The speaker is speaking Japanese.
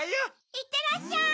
いってらっしゃい！